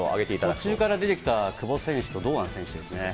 途中から出てきた久保選手と堂安選手ですね。